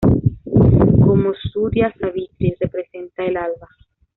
Como Surya-Savitri representa el alba.